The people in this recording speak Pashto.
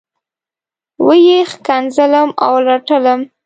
وه یې ښکنځلم او رټلم.